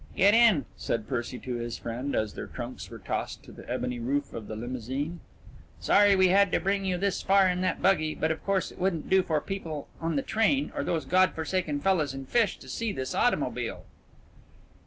"Get in," said Percy to his friend, as their trunks were tossed to the ebony roof of the limousine. "Sorry we had to bring you this far in that buggy, but of course it wouldn't do for the people on the train or those God forsaken fellas in Fish to see this automobile."